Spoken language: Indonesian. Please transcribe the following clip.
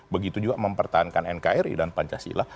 begitu juga mempertahankan nkri dan pancasila